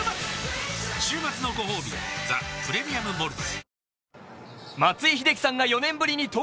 週末のごほうび「ザ・プレミアム・モルツ」